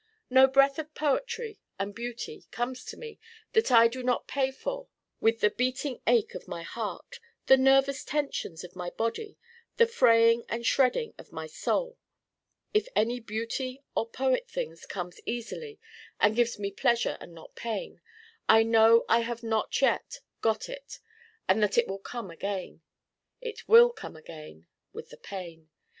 No breath of poetry and beauty comes to me that I do not pay for with the beating ache of my Heart, the nervous tensions of my Body, the fraying and shredding of my Soul. If any beauty or poet thing comes easily and gives me pleasure and not pain, I know I have not yet got it and that it will come again. It will come again: with the pain.